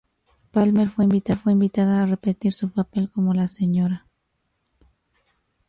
Palmer fue invitada a repetir su papel como la Sra.